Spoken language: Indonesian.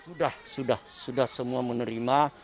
sudah sudah semua menerima